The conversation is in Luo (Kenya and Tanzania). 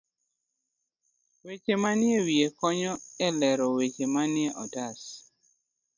Weche manie wiye konyo e lero weche manie otas.